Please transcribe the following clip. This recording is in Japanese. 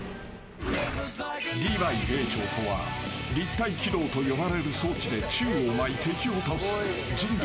リヴァイ兵長とは立体機動と呼ばれる装置で宙を舞い、敵を倒す人類